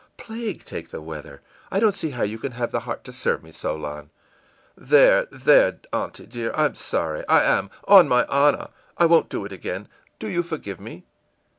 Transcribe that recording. î ìPlague take the weather! I don't see how you can have the heart to serve me so, Lon.î ìThere, there, aunty dear, I'm sorry; I am, on my honor. I won't do it again. Do you forgive me?